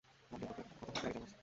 রাগলে তোকে কতো হট লাগে জানোস!